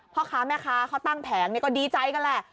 พ่อค้าแม่ค้าเขาตั้งแผงก็ดีใจกันแหละ